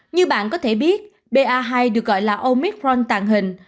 như bạn có thể biết ba hai được gọi là omicron tàng hình